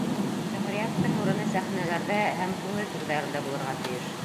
Шиғриәттең урыны сәхнәләрҙә һәм күңел түрҙәрендә булырға тейеш.